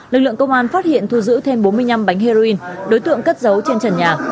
lực lượng công an phát hiện thu giữ thêm bốn mươi năm bánh heroin đối tượng cất dấu trên trần nhà